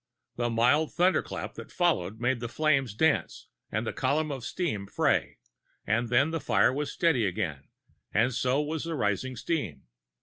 The mild thunderclap that followed made the flames dance and the column of steam fray; and then the fire was steady again, and so was the rising steam.